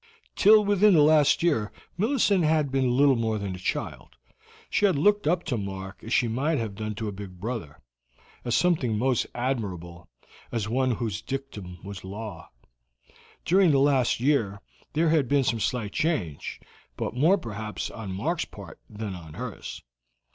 Till within the last year Millicent had been little more than a child; she had looked up to Mark as she might have done to a big brother, as something most admirable, as one whose dictum was law. During the last year there had been some slight change, but more, perhaps, on Mark's part than on hers.